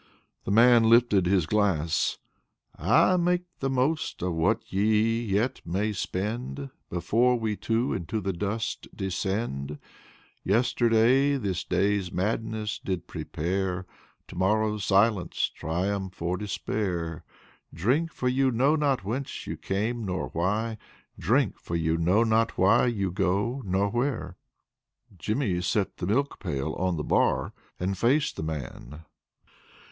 The man lifted his glass. "Ah, make the most of what we yet may spend, Before we too into the Dust descend; Yesterday this Day's Madness did prepare; To morrow's Silence, Triumph, or Despair: Drink! for you know not whence you came nor why: Drink! for you know not why you go nor where." Jimmy set the milk pail on the bar and faced the man.